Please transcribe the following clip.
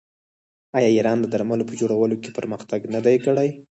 آیا ایران د درملو په جوړولو کې پرمختګ نه دی کړی؟